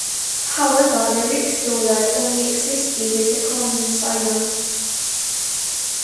However, the Rixdollar only existed as a coin in Ceylon.